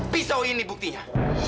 pisau ini buktinya